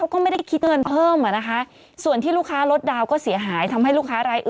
ต้องมานั่งนับพันเมตรนะครับ